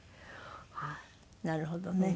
なるほどね。